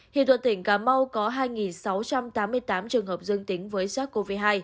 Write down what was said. hiện toàn tỉnh cà mau có hai sáu trăm tám mươi tám trường hợp dương tính với sars cov hai